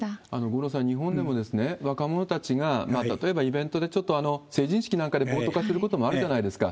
五郎さん、日本でも若者たちが、例えばイベントでちょっと成人式なんかで暴徒化することもあるじゃないですか。